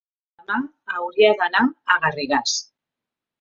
demà hauria d'anar a Garrigàs.